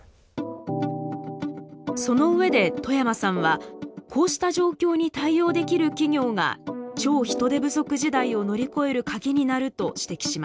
そのうえで冨山さんはこうした状況に対応できる企業が「超・人手不足時代」を乗り越えるカギになると指摘します。